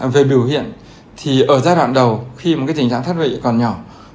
về biểu hiện thì ở giai đoạn đầu khi mà cái tình trạng thoát vị còn nhỏ